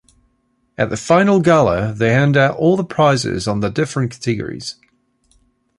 At the final gala, they hand out all the prizes of the different categories.